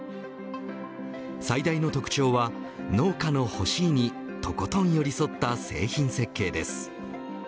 最大の特徴は農家の欲しいにとことん寄り添った製品設計です。